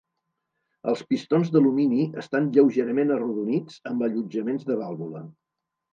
Els pistons d'alumini estan lleugerament arrodonits amb allotjaments de vàlvula.